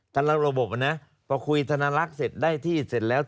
ท่านละระบบนะพอคุยธนลักษณ์เสร็จได้ที่เสร็จแล้ว